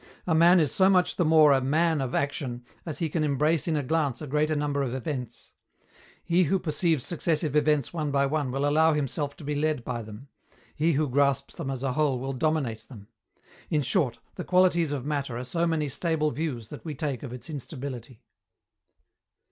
A man is so much the more a "man of action" as he can embrace in a glance a greater number of events: he who perceives successive events one by one will allow himself to be led by them; he who grasps them as a whole will dominate them. In short, the qualities of matter are so many stable views that we take of its instability.